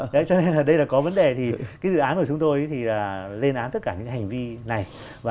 đấy cho nên là đây là có vấn đề thì cái dự án của chúng tôi thì lên án tất cả những cái hành vi này